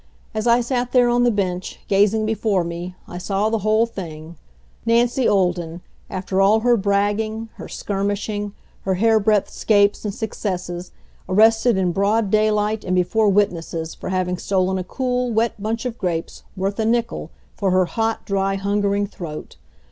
As I sat there on the bench, gazing before me, I saw the whole thing Nancy Olden, after all her bragging, her skirmishing, her hairbreadth scapes and successes, arrested in broad daylight and before witnesses for having stolen a cool, wet bunch of grapes, worth a nickel, for her hot, dry, hungering throat!